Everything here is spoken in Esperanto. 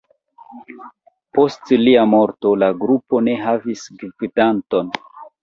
Post lia morto, la grupo ne havis gvidanton.